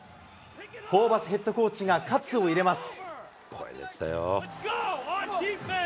ホーバスヘッドコーチがかつを入れます。